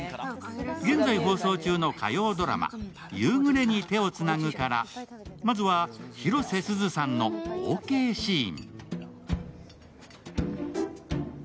現在放送中の火曜ドラマ「夕暮れに手をつなぐ」からまずは広瀬すずさんのオーケーシーン。